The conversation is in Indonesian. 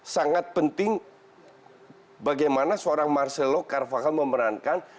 sangat penting bagaimana seorang marcelo carvakel memerankan